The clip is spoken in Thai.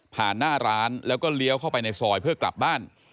หน้าร้านแล้วก็เลี้ยวเข้าไปในซอยเพื่อกลับบ้าน